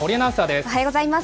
おはようございます。